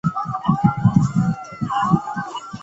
清朝雍正二年升格为直隶州。